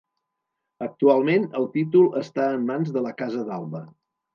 Actualment el títol està en mans de la Casa d'Alba.